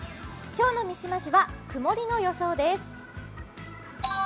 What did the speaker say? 今日の三島市は曇りの予報です。